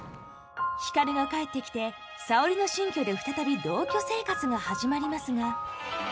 光が帰ってきて沙織の新居で再び同居生活が始まりますが。